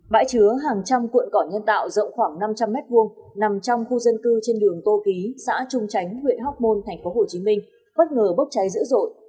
bãi chứa hàng trăm cuộn cỏ nhân tạo rộng khoảng năm trăm linh m hai nằm trong khu dân cư trên đường tô ký xã trung chánh huyện hóc môn tp hcm bất ngờ bốc cháy dữ dội